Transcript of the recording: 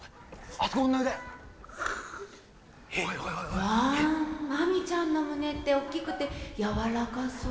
・わあマミちゃんの胸っておっきくてやわらかそう。